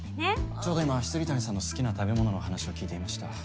ちょうど今未谷さんの好きな食べ物の話を聞いていました。